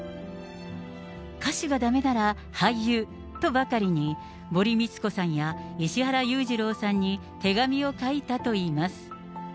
歌手がだめなら俳優とばかりに、森光子さんや石原裕次郎さんに手紙を書いたといいます。